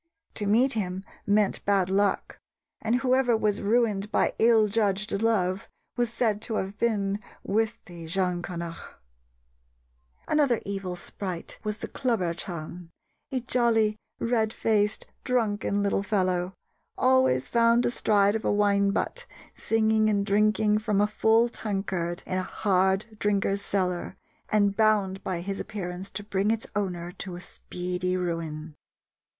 To meet him meant bad luck, and whoever was ruined by ill judged love was said to have been with the Geancanach. Another evil sprite was the Clobher ceann, "a jolly, red faced, drunken little fellow," always "found astride of a wine butt" singing and drinking from a full tankard in a hard drinker's cellar, and bound by his appearance to bring its owner to speedy ruin.